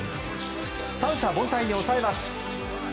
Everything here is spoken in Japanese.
三者凡退に抑えます。